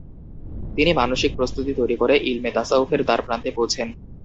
তিনি মানসিক প্রস্তুতি তৈরি করে ইলমে তাসাউফের দারপ্রান্তে পৌছেন।